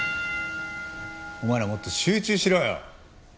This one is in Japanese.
お前らもっと集中しろよ。